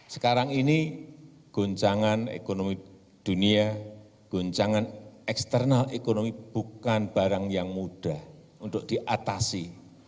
sekarang ini goncangan ekonomi dunia goncangan eksternal ekonomi bukan barang yang mudah untuk diatasi